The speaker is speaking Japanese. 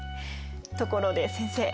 ところで先生。